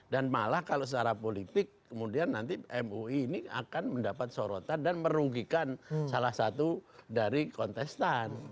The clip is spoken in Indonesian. dan malah kalau secara politik kemudian nanti mui ini akan mendapat sorotan dan merugikan salah satu dari kontestan